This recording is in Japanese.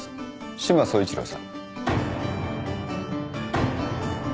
志摩総一郎さん。